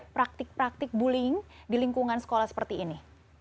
praktik praktik bullying di lingkungan sekolah seperti ini